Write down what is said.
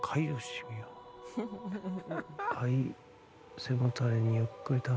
はい。